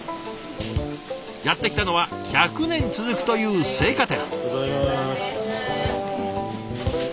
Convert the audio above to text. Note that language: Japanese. やって来たのは１００年続くという青果店。